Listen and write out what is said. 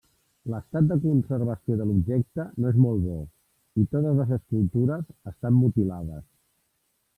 L'estat de conservació de l'objecte no és molt bo, i totes les escultures estan mutilades.